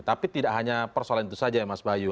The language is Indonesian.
tapi tidak hanya persoalan itu saja ya mas bayu